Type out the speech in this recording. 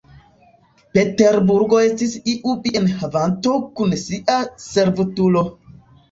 Peterburgo estis iu bienhavanto kun sia servutulo.